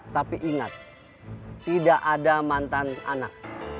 tapi ingat tidak ada mantan anak